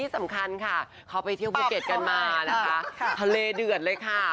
สำคัญค่ะเขาไปเที่ยวภูเก็ตกันมานะคะทะเลเดือดเลยค่ะ